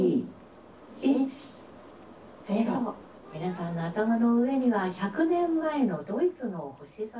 皆さんの頭の上には１００年前のドイツの星空が。